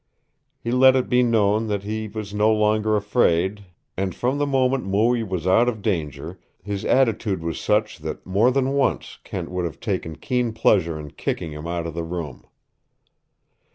He let it be known that he was no longer afraid, and from the moment Mooie was out of danger his attitude was such that more than once Kent would have taken keen pleasure in kicking him from the room.